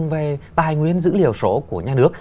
về tài nguyên dữ liệu số của nhà nước